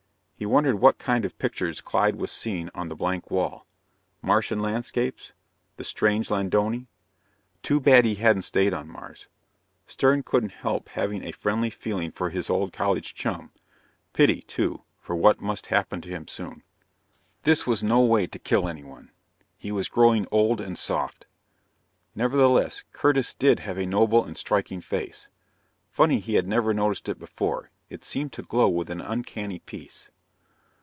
He wondered what kind of pictures Clyde was seeing on the blank wall. Martian landscapes? The strange Ladonai? Too bad he hadn't stayed on Mars. Stern couldn't help having a friendly feeling for his old college chum, pity, too, for what must happen to him soon. This was no way to kill anyone! He was growing old and soft! Nevertheless, Curtis did have a noble and striking face. Funny he had never noticed it before. It seemed to glow with an uncanny peace.